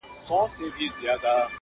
له نمرود څخه د کبر جام نسکور سو--!